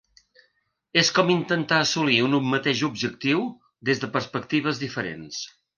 És com intentar assolir un mateix objectiu des de perspectives diferents.